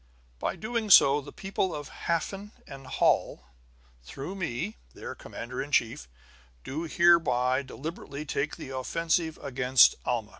"By so doing, the people of Hafen and Holl, through me, their commander in chief, do hereby deliberately take the offensive against Alma."